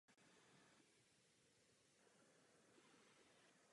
Správním městem okresu je Pratt.